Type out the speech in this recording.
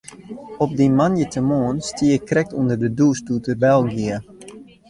Op dy moandeitemoarn stie ik krekt ûnder de dûs doe't de bel gie.